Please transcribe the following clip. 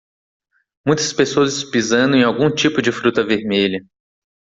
Muitas pessoas pisando em algum tipo de fruta vermelha.